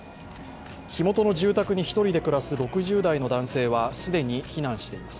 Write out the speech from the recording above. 火元の住宅に１人で暮らす６０代の男性は既に避難しています。